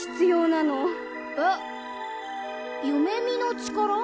えゆめみのちから？